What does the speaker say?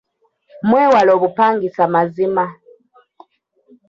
Mwewale obupangisa mazima.